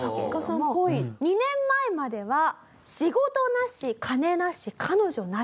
２年前までは仕事なし金なし彼女なしという。